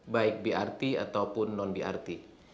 baik brt atau prt